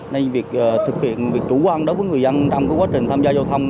nên việc thực hiện việc chủ quan đối với người dân trong quá trình tham gia giao thông